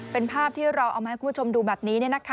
เป็นภาพที่เราเอามาให้คุณผู้ชมดูแบบนี้